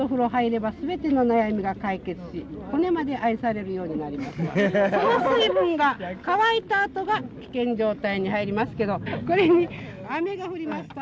その水分が乾いたあとが危険状態に入りますけどこれに雨が降りますと。